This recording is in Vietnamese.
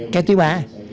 cái thứ ba